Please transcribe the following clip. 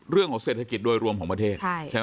เรื่องของเศรษฐกิจโดยรวมของประเทศใช่ไหม